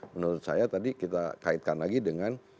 menurut saya tadi kita kaitkan lagi dengan